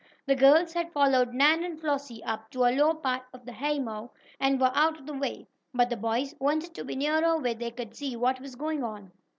The girls had followed Nan and Flossie up to a low part of the haymow, and were out of the way. But the boys wanted to be nearer where they could see what was going on.